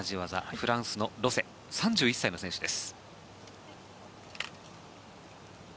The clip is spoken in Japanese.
フランスのロセ３１歳の選手です。